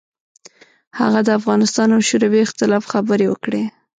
هغه د افغانستان او شوروي اختلاف خبرې وکړې.